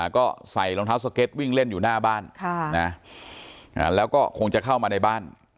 ก็ใส่รองเท้าสเก็ตวิ่งเล่นอยู่หน้าบ้านแล้วก็คงจะเข้ามาในบ้าน